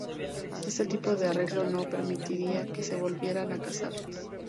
Este tipo de arreglo no permitiría que se volvieran a casar.